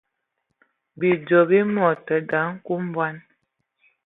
Bidzɔ bi mɔ tə daŋ ekud bɔŋ.